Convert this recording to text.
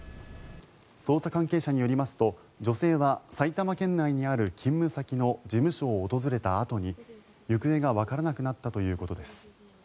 捜査関係者によりますと女性は、埼玉県内にある勤務先の事務所を訪れたあとに行方がわからなくなったということです。